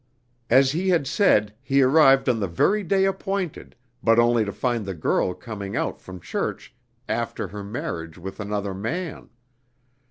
As he had said, he arrived on the very day appointed, but only to find the girl coming out from church after her marriage with another man.